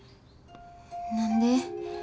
何で？